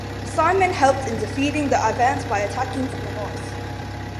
Simon helped in defeating the advance by attacking from the north.